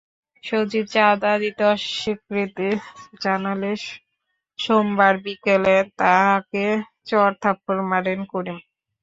সজীব চাঁদা দিতে অস্বীকৃতি জানালে সোমবার বিকেলে তাঁকে চড়থাপ্পড় মারেন করিম।